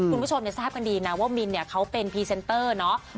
คุณผู้ชมทราบกันดีนะว่ามินเนี่ยเขาเป็นพรีเซนเตอร์เนาะ